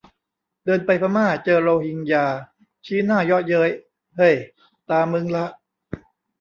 เดินไปพม่า เจอโรฮิงญาชี้หน้าเยาะเย้ย เฮ่ยตามึงละ